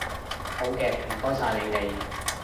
好嘅，唔該曬你哋